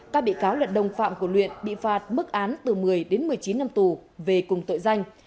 các bị cáo là đồng phạm của luyện bị phạt mức án từ một mươi đến một mươi chín năm tù về cùng tội danh